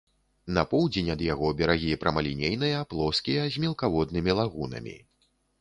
На поўдзень ад яго берагі прамалінейныя, плоскія, з мелкаводнымі лагунамі.